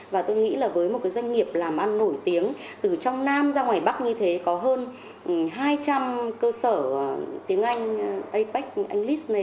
và tôi nghĩ là với một doanh nghiệp làm ăn nổi tiếng từ trong nam ra ngoài bắc như thế có hơn hai trăm linh cơ sở tiếng anh apec english này